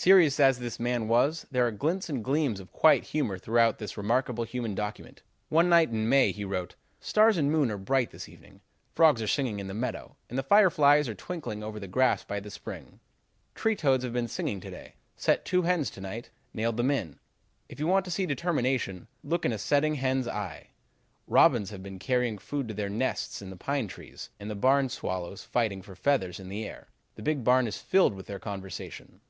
"Serious as the man was, there are glints and gleams of quiet humor throughout this remarkable human document. One night in May he wrote, 'Stars and moon are bright this evening; frogs are singing in the meadow, and the fire flies are twinkling over the grass by the spring. Tree toads have been singing to day. Set two hens to night, nailed them in. If you want to see determination, look in a setting hen's eye. Robins have been carrying food to their nests in the pine trees, and the barn swallows fighting for feathers in the air; the big barn is filled with their conversation.'